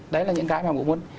đấy là những cái mà cũng muốn